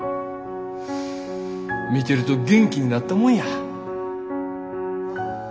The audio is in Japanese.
見てると元気になったもんや。